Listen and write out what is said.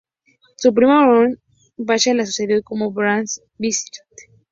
Su primo Köprülü Hüseyin Pasha lo sucedió como Gran Visir.